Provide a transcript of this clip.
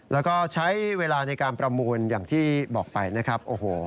แล้วก็ใช้เวลาในการประมูลอย่างที่บอกไปนะครับโอ้โห